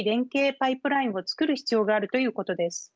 パイプラインを作る必要があるということです。